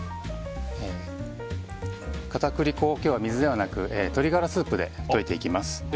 片栗粉を今日は水ではなく鶏ガラスープで溶いていきます。